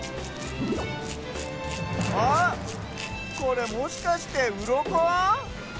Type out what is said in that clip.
あっこれもしかしてうろこ？